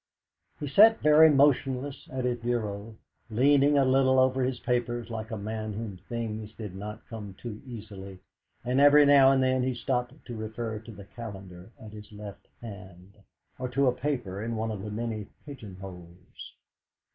He sat very motionless at his bureau, leaning a little over his papers like a man to whom things do not come too easily; and every now and then he stopped to refer to the calendar at his left hand, or to a paper in one of the many pigeonholes.